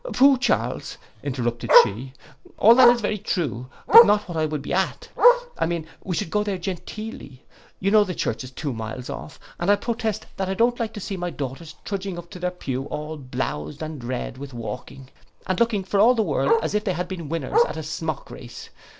'—'Phoo, Charles,' interrupted she, 'all that is very true; but not what I would be at. I mean, we should go there genteelly. You know the church is two miles off, and I protest I don't like to see my daughters trudging up to their pew all blowzed and red with walking, and, looking for all the world as if they had been winners at a smock race.